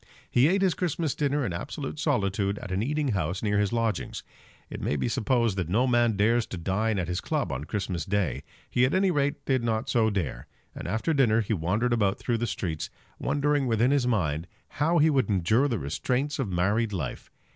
He ate his Christmas dinner in absolute solitude at an eating house near his lodgings. It may be supposed that no man dares to dine at his club on a Christmas Day. He at any rate did not so dare; and after dinner he wandered about through the streets, wondering within his mind how he would endure the restraints of married life.